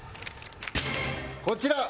こちら。